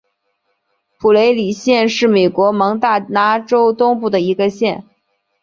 普雷里县是美国蒙大拿州东部的一个县。